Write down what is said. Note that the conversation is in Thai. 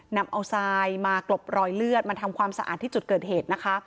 นำเอาทรายมากลบรอยเลือดมาทำความสะอาดที่จุดเกิดเหตุนะคะ